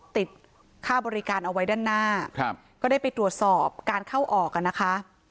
ติดค่าบริการเอาไว้ด้านหน้าก็ได้ไปตรวจสอบการเข้าออกอ่ะนะคะ